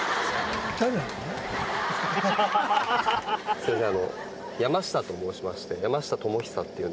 すいません。